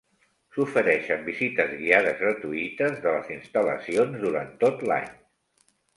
S'ofereixen visites guiades gratuïtes de les instal·lacions durant tot l'any.